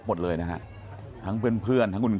คุณยายบอกว่ารู้สึกเหมือนใครมายืนอยู่ข้างหลัง